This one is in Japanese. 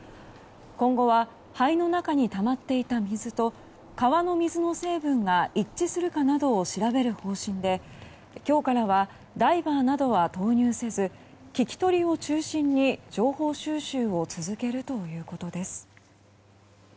今後は肺の中にたまっていた水と川の水の成分が一致するかなどを調べる方針で今日からはダイバーなどは投入せず聞き取りを中心に情報収集を続けるということです。